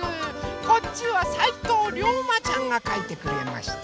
こっちはさいとうりょうまちゃんがかいてくれました。